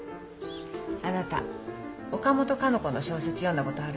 あなた岡本かの子の小説読んだことある？